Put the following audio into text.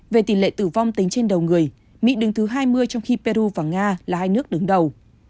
về tỷ lệ tử vong tính trên đầu người mỹ đứng thứ hai mươi trong khi peru và nga là hai nước đứng đầu